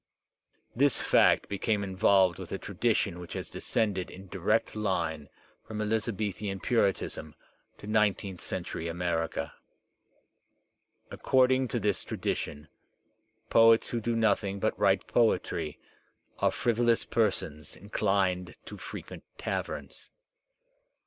This fact became involved with a tradition which has de scended in direct line from Elizabethan puritanism to nine teenth centuiy America. According to this tradition, poets who do nothing but write poetry are frivolous persons in \ dined to frequent taverns.